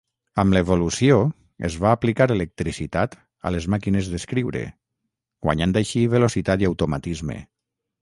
Amb l'evolució, es va aplicar electricitat a les màquines d'escriure, guanyant així velocitat i automatisme.